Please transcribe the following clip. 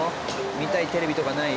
見たいテレビとかない？